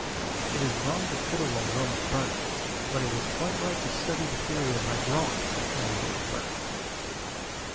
It is wrong to fiddle while Rome is burning; but it is quite right to study the theory of hydraulics while Rome is burning.